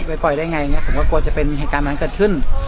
ไปปล่อยได้ไงอย่างเงี้ยผมก็กลัวจะเป็นเหตุการณ์นั้นเกิดขึ้น